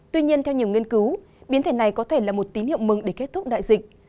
tuy nhiên theo nhiều nghiên cứu biến thể này có thể là một tín hiệu mừng để kết thúc đại dịch